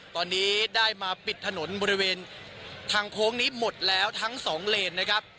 ตอนนี้ได้มาปิดถนนบริเวณทางโค้งนี้หมดแล้วทั้งสองเลนนะครับ